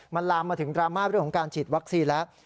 มันลามมาถึงดราม่าเรื่องของการฉีดวัคซีนแล้ว